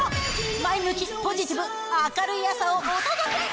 前向き、ポジティブ、明るい朝をお届け。